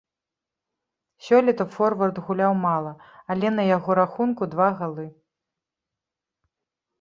Сёлета форвард гуляў мала, але на яго рахунку два галы.